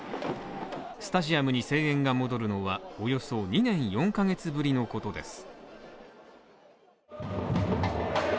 スタジアムに声援が戻るのはおよそ２年４カ月ぶりのことです。